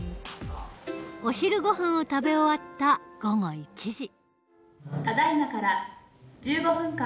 お昼ごはんを食べ終わった午後１時。